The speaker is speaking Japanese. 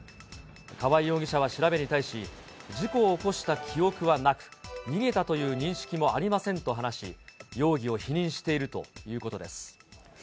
川合容疑者は調べに対し、事故を起こした記憶はなく、逃げたという認識もありませんと話し、容疑を否認しているということです。